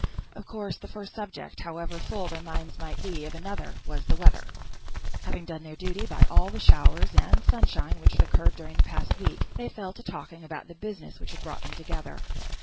Of course, the first subject, however full their minds might be of another, was the weather. Having done their duty by all the showers and sunshine which had occurred during the past week, they fell to talking about the business which brought them together.